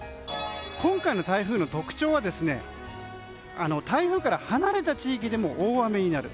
今回の台風の特徴は台風から離れた地域でも大雨になる。